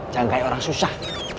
jangan kayak orang susah